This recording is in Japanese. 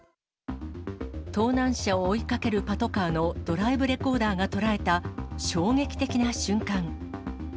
盗難車を追いかけるパトカーのドライブレコーダーが捉えた衝撃的な瞬間。